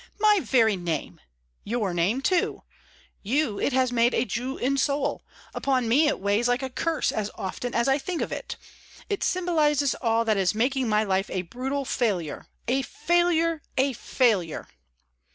My very name! Your name, too! You it has made a Jew in soul; upon me it weighs like a curse as often as I think of it. It symbolizes all that is making my life a brutal failure a failure a failure!"